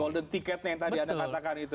golden ticketnya yang tadi anda katakan itu